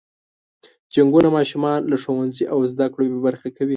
جنګونه ماشومان له ښوونځي او زده کړو بې برخې کوي.